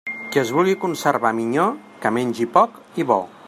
Qui es vulgui conservar minyó, que mengi poc i bo.